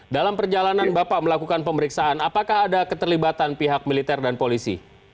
dalam perjalanan bapak melakukan pemeriksaan apakah ada keterlibatan pihak militer dan polisi